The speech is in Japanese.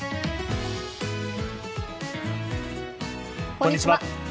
こんにちは。